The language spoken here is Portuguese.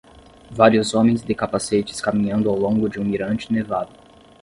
Vários homens de capacetes caminhando ao longo de um mirante nevado.